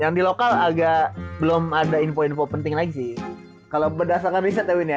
yang dilokal agak belum ada info info penting laisi kalau berdasarkan riset ayo in ya